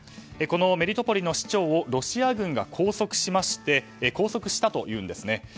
このメリトポリの市長をロシア軍が拘束したというんですね。